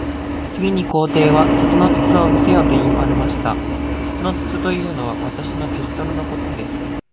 次に皇帝は、鉄の筒を見せよと言われました。鉄の筒というのは、私のピストルのことです。